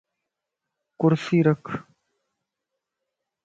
ڪرسي رک